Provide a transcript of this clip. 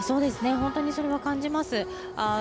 本当にそれは感じます。